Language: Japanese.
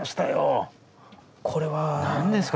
これは。何ですか？